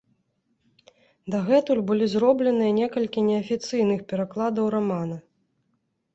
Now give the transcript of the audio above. Дагэтуль былі зробленыя некалькі неафіцыйных перакладаў рамана.